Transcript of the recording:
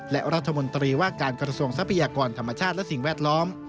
และรัฐมนตรีว่าการกระทรวงทรัพยากรธรรมชาติและสิ่งแวดล้อม